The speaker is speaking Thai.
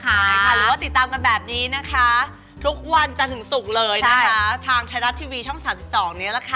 ใช่ค่ะหรือว่าติดตามกันแบบนี้นะคะทุกวันจันทร์ถึงศุกร์เลยนะคะทางไทยรัฐทีวีช่อง๓๒นี้แหละค่ะ